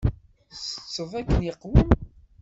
Tsetteḍ akken iqwem?